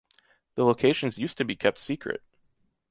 The locations used to be kept secret.